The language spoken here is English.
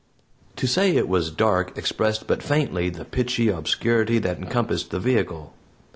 To say it was dark expressed but faintly the pitchy obscurity that encompassed the vehicle.